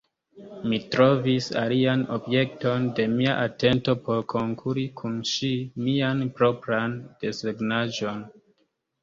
Mi trovis alian objekton de mia atento por konkuri kun ŝi: mian propran desegnaĵon.